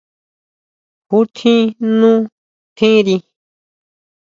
¿Jútjin nú tjiri?